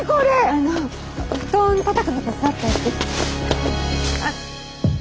あの布団たたくの手伝って。